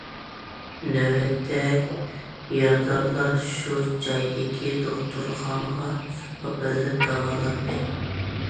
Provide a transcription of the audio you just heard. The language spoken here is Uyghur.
نۆۋەتتە، يارىدارلار شۇ جايدىكى دوختۇرخانىغا ئاپىرىلىپ داۋالاندى.